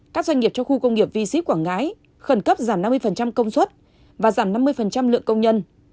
các doanh nghiệp trong khu công nghiệp v shi quảng ngãi khẩn cấp giảm năm mươi công suất và giảm năm mươi lượng công nhân